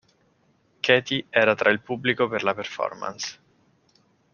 Katie era tra il pubblico per la performance.